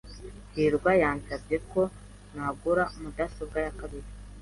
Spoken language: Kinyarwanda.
Hirwa yansabye ko ntagura mudasobwa ya kabiri.